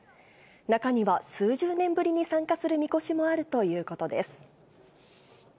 中には数十年ぶりに参加するみこしもあるということです。